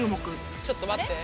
ちょっと待って。